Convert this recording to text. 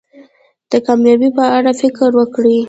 د کامیابی په اړه فکر وکړی.